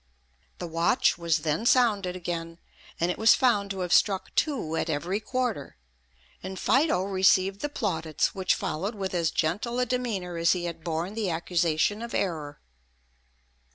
The watch was then sounded again, and it was found to have struck two at every quarter; and Fido received the plaudits which followed with as gentle a demeanour as he had borne the accusation of error.